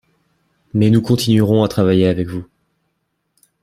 mais nous continuerons à travailler avec vous